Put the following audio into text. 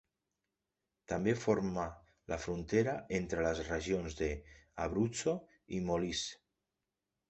També forma la frontera entre les regions de Abruzzo i Molise.